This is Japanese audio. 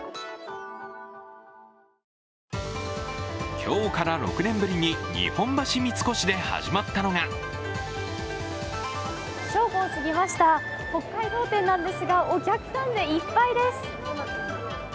今日から６年ぶりに日本橋三越で始まったのが正午を過ぎました、北海道展なんですが、お客さんでいっぱいです。